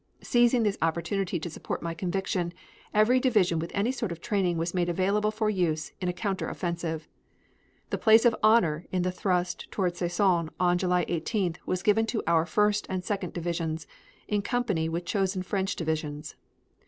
Seizing this opportunity to support my conviction, every division with any sort of training was made available for use in a counter offensive. The place of honor in the thrust toward Soissons on July 18th was given to our First and Second divisions in company with chosen French divisions.